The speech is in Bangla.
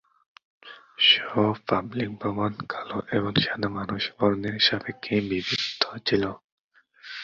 সব পাবলিক ভবন কালো এবং সাদা মানুষ বর্ণের সাপেক্ষে বিভক্ত ছিল।